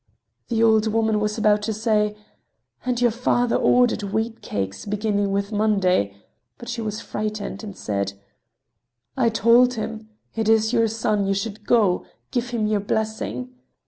The old woman was about to say: "And your father ordered wheat cakes beginning with Monday," but she was frightened, and said: "I told him: 'It is your son, you should go, give him your blessing.